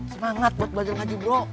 semangat buat belajar ngaji bro